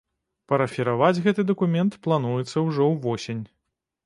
Парафіраваць гэты дакумент плануецца ўжо ўвосень.